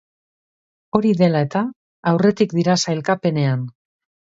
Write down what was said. Hori dela eta, aurretik dira sailkapenean.